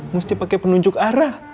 mesti pake penunjuk arah